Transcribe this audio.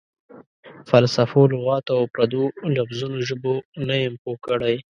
فلسفو، لغاتو او پردو لفظونو ژبو نه یم پوه کړی.